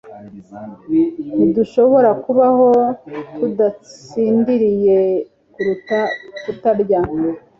Ntidushobora kubaho tudasinziriye kuruta kutarya